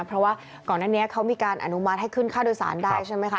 เพราะว่าก่อนหน้านี้เขามีการอนุมัติให้ขึ้นค่าโดยสารได้ใช่ไหมคะ